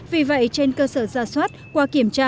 vì vậy trên cơ sở giả soát qua kiểm tra